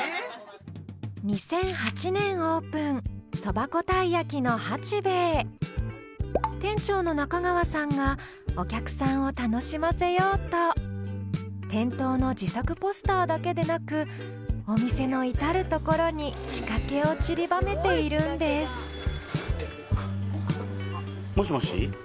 そば粉たい焼きの八兵衛店長の中川さんがお客さんを楽しませようと店頭の自作ポスターだけでなくお店の至る所に仕掛けを散りばめているんですもしもし。